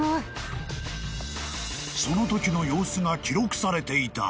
［そのときの様子が記録されていた］